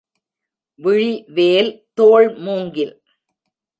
விழி வேல் தோள் மூங்கில்.